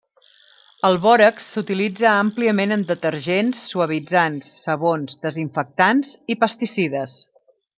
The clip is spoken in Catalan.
El bòrax s'utilitza àmpliament en detergents, suavitzants, sabons, desinfectants i pesticides.